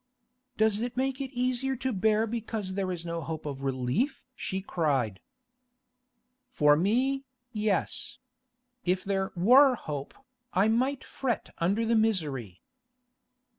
'Does it make it easier to bear because there is no hope of relief?' she cried. 'For me, yes. If there were hope, I might fret under the misery.